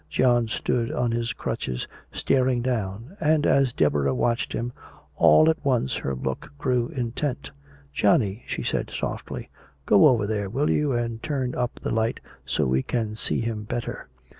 John stood on his crutches staring down. And as Deborah watched him, all at once her look grew intent. "Johnny," she said softly, "go over there, will you, and turn up the light, so we can see him better."